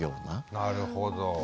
なるほど。